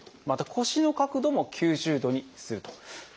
また腰の角度も９０度にすると。